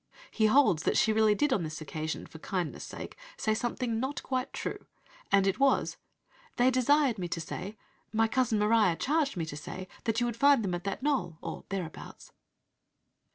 He holds that "she really did on this occasion, for kindness' sake, say something 'not quite true,'" and it was: "They desired me to say my cousin Maria charged me to say, that you would find them at that knoll, or thereabouts."